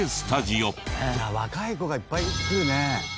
若い子がいっぱい来るね。